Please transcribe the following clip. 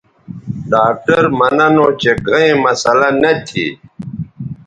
ڈاکٹر مہ ننو چہ گھئیں مسلہ نہ تھی